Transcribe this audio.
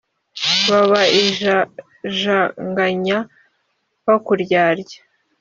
Baba injajanganya bakuryarya!